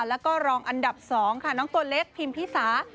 แล้วก็รองอันดับ๒ค่ะน้องตัวเล็กพิมพิสา